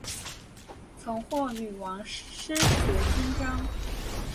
曾获女王诗词金章。